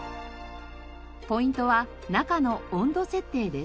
ポイントは中の温度設定です。